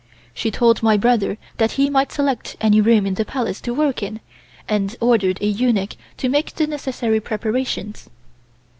She told my brother that he might select any room in the Palace to work in, and ordered a eunuch to make the necessary preparations.